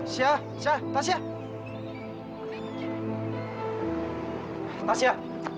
siah siah tasya